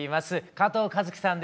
加藤和樹さんです。